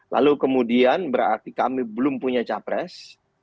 lalu kemudian berarti kami belum punya capres